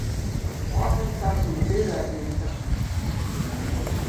Worte zeichnen Bilder in den Köpfen.